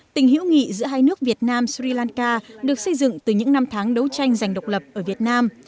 tình hữu nghị giữa hai nước việt nam sri lanka được xây dựng từ những năm tháng đấu tranh giành độc lập ở việt nam